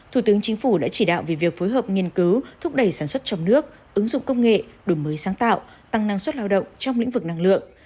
thủ tướng chính phủ đã chỉ đạo về việc phối hợp nghiên cứu thúc đẩy sản xuất trong nước ứng dụng công nghệ đổi mới sáng tạo tăng năng suất lao động trong lĩnh vực năng lượng